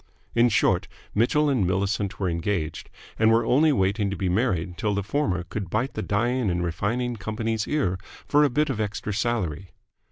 In short, Mitchell and Millicent were engaged, and were only waiting to be married till the former could bite the Dyeing and Refining Company's ear for a bit of extra salary.